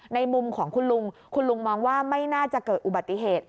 ในมุมของคุณลุงคุณลุงมองว่าไม่น่าจะเกิดอุบัติเหตุ